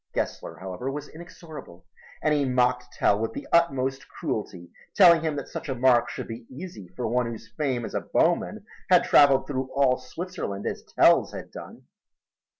Gessler, however, was inexorable, and he mocked Tell with the utmost cruelty, telling him that such a mark should be easy for one whose fame as a bowman had traveled through all Switzerland, as Tell's had done.